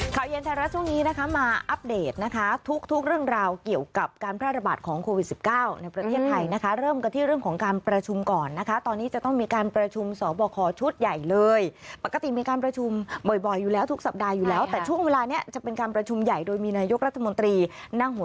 เย็นไทยรัฐช่วงนี้นะคะมาอัปเดตนะคะทุกทุกเรื่องราวเกี่ยวกับการแพร่ระบาดของโควิด๑๙ในประเทศไทยนะคะเริ่มกันที่เรื่องของการประชุมก่อนนะคะตอนนี้จะต้องมีการประชุมสอบคอชุดใหญ่เลยปกติมีการประชุมบ่อยอยู่แล้วทุกสัปดาห์อยู่แล้วแต่ช่วงเวลานี้จะเป็นการประชุมใหญ่โดยมีนายกรัฐมนตรีนั่งหัว